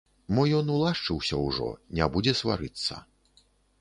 Мо ён улашчыўся ўжо, не будзе сварыцца.